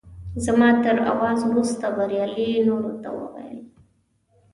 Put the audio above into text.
زما تر اواز وروسته بریالي نورو ته وویل.